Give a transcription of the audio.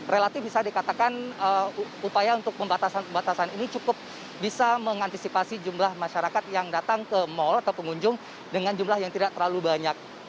relatif bisa dikatakan upaya untuk pembatasan pembatasan ini cukup bisa mengantisipasi jumlah masyarakat yang datang ke mal atau pengunjung dengan jumlah yang tidak terlalu banyak